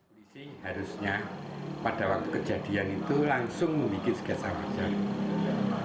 polisi harusnya pada waktu kejadian itu langsung membuat sketsa wajah